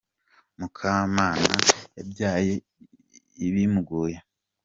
Mukamana yabyaye bimugoye.